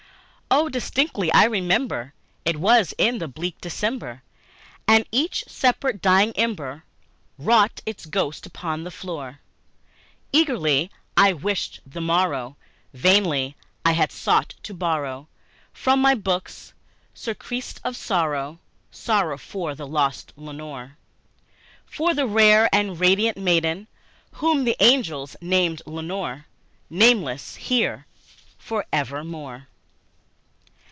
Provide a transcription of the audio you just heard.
Ah! distinctly I remember, it was in the bleak December, And each separate dying ember wrought its ghost upon the floor; Eagerly I wished the morrow; vainly I had sought to borrow From my books surcease of sorrow sorrow for the lost Lenore For the rare and radiant maiden whom the angels name Lenore Nameless here for evermore.